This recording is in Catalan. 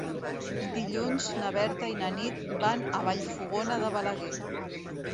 Dilluns na Berta i na Nit van a Vallfogona de Balaguer.